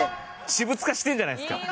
私物化してるじゃないですか！